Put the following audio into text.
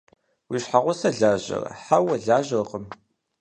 Уи щхьэгъусэр лажьэрэ? – Хьэуэ, лажьэркъым.